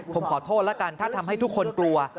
ผมขอโทษแล้วกันถ้าทำให้ทุกคนกลัว